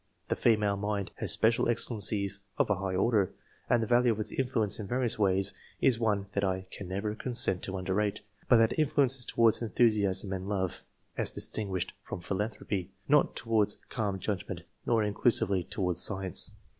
The female mind has special excellencies of a high order, ^ of its influence in various ways III.] OBIGIN OF TASTE FOB SCIENCE. 207 is one that I can never consent to underrate ; but that influence is towards enthusiasm and love (as distinguished from philanthropy), not towards calm judgment, nor, inclusively, towards science.